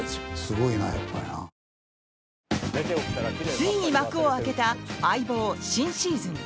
ついに幕を開けた「相棒」新シーズン。